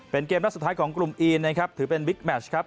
เป็นเกมนัดสุดท้ายของกลุ่มอีนนะครับถือเป็นบิ๊กแมชครับ